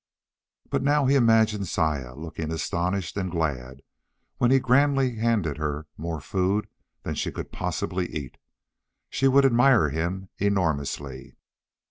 But now he imagined Saya looking astonished and glad when he grandly handed her more food than she could possibly eat. She would admire him enormously!